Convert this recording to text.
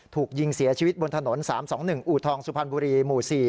ถูกยิงเสียชีวิตบนถนน๓๒๑อูทองสุพรรณบุรีหมู่๔